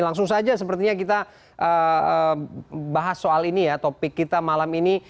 langsung saja sepertinya kita bahas soal ini ya topik kita malam ini